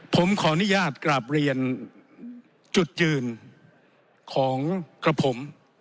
ผมขออนุญาตกราบเรียนจุดยืนของกระผม